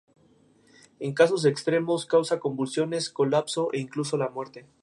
En casos extremos, causa convulsiones, colapso e incluso la muerte.